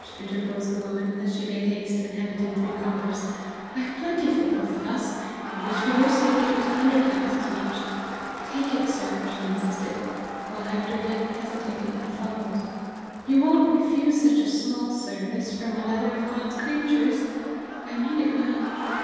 interposed the woman, as she made haste and handed him three coppers; "I have plenty for both of us, and wish for your sake it was a hundred times as much. Take it, sir," she insisted, while Hector yet hesitated and fumbled; "you won't refuse such a small service from another of God's creatures! I mean it well."